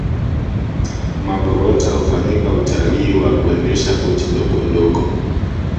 magorota hufanyika Utalii wa kuendesha boti ndogondogo